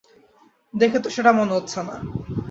দেখে তো সেটা মনে হচ্ছে না।